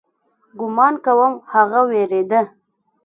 ګومان کوم هغه وېرېده.